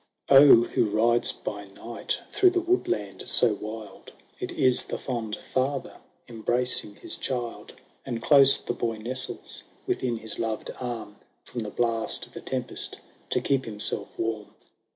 723 O ! who rides by night through the woodland so wild ? It is the fond Father embracing his Child ; And close the boy nestles within his loved arm, From the blast of the tempest — to keep himself warm.